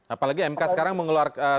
apalagi mk sekarang mengeluarkan